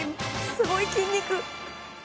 すごい筋肉！